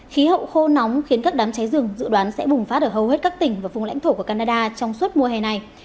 khí hậu khô nóng khiến các đám cháy rừng dự đoán sẽ bùng phát ở hầu hết các tỉnh và vùng lãnh thổ của canada trong suốt mùa hè này